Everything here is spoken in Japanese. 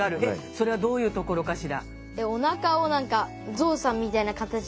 それはどういうところかしら。